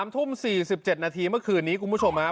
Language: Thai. ๓ทุ่ม๔๗นาทีเมื่อคืนนี้คุณผู้ชม